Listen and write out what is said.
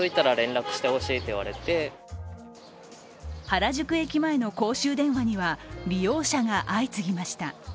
原宿駅前の公衆電話には利用者が相次ぎました。